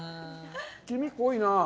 黄身濃いなあ。